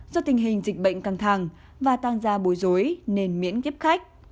do tình hình dịch bệnh căng thẳng và tăng ra bối rối nên miễn tiếp khách